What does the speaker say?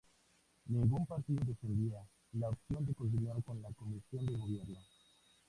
Ningún partido defendía la opción de continuar con la Comisión de Gobierno.